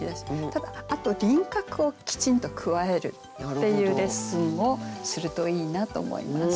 ただあと輪郭をきちんと加えるっていうレッスンをするといいなと思います。